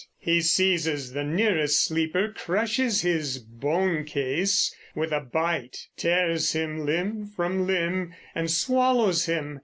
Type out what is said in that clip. He seizes the nearest sleeper, crushes his "bone case" with a bite, tears him limb from limb, and swallows him.